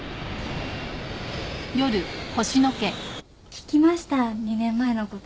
聞きました２年前のこと。